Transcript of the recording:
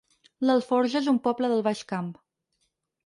L'Alforja es un poble del Baix Camp